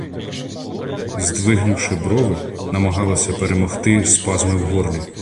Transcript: Здвигнувши брови, намагалася перемогти спазми в горлі.